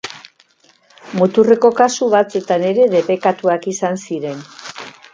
Muturreko kasu batzuetan ere debekatuak izan ziren.